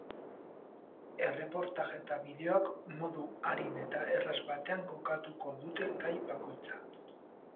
Erreportaje eta bideoak modu arin eta erraz batean kokatuko dute gai bakoitza.